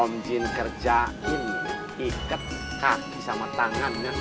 om jin kerjain nih iket kaki sama tangannya enak nih